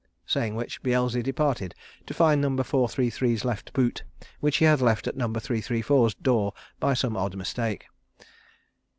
Saying which, Beelzy departed to find Number 433's left boot which he had left at Number 334's door by some odd mistake.